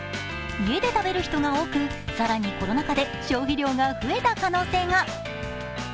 家で食べる人が多く、さらにコロナ禍で消費量が増えた可能性が。